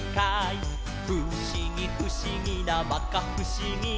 「ふしぎふしぎなまかふしぎ」